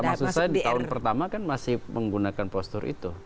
maksud saya di tahun pertama kan masih menggunakan postur itu